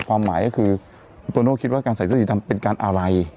ความหมายก็คือคุณโตโน่คิดว่าการใส่เสื้อสีดำเป็นการอะไร